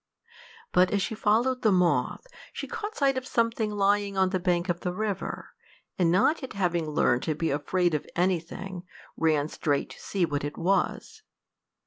But as she followed the moth, she caught sight of something lying on the bank of the river, and not yet having learned to be afraid of anything, ran straight to see what it was.